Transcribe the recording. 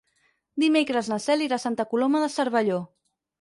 Dimecres na Cel irà a Santa Coloma de Cervelló.